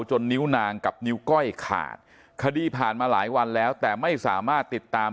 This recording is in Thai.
นิ้วนางกับนิ้วก้อยขาดคดีผ่านมาหลายวันแล้วแต่ไม่สามารถติดตาม